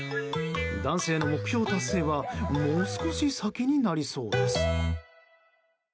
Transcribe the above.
男性の目標達成はもう少し先になりそうです。